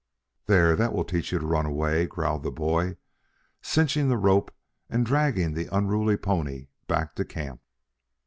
"There, that will teach you to run away," growled the boy, cinching the rope and dragging the unruly pony back to camp.